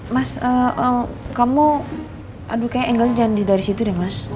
mas kamu aduknya angle jangan dari situ deh mas